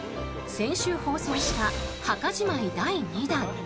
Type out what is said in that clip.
先週放送した墓じまい第２弾。